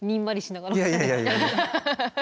いやいや。